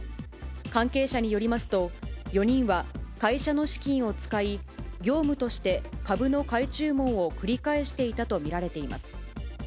関係者によりますと、４人は会社の資金を使い、業務として株の買い注文を繰り返していたと見られています。